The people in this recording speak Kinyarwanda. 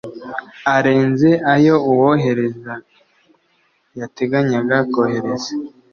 arenze ayo uwohereza yateganyaga kohereza